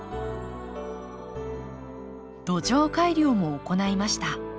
土壌改良も行いました。